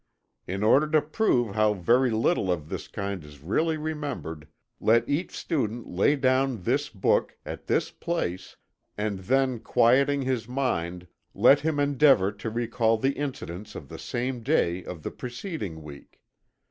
In order to prove how very little of this kind is really remembered, let each student lay down this book, at this place, and then quieting his mind let him endeavor to recall the incidents of the same day of the preceding week.